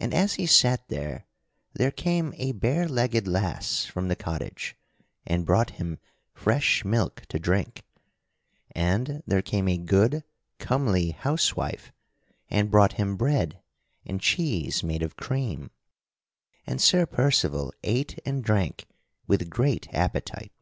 And as he sat there there came a barelegged lass from the cottage and brought him fresh milk to drink; and there came a good, comely housewife and brought him bread and cheese made of cream; and Sir Percival ate and drank with great appetite.